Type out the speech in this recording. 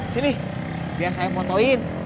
sini biar saya fotoin